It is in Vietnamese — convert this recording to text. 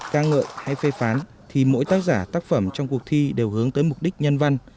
ca ngợi hay phê phán thì mỗi tác giả tác phẩm trong cuộc thi đều hướng tới mục đích nhân văn